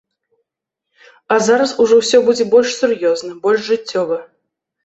А зараз ужо ўсё будзе больш сур'ёзна, больш жыццёва.